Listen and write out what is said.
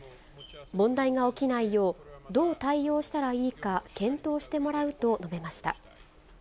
問題が起きないよう、どう対応したらいいか検討してもらうと述べました。